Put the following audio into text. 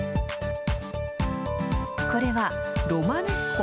これはロマネスコ。